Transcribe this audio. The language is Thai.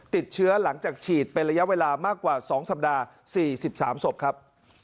ติดเชื้อหลังจากฉีดเป็นระยะเวลามากกว่า๒สัปดาห์๔๓ศพครับ